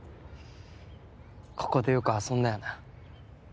ここでよく遊んだよな？